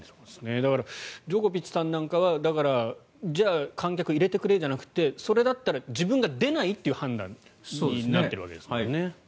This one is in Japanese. だからジョコビッチさんなんかは観客を入れてくれじゃなくてそれだったら自分が出ないという判断になっているわけですもんね。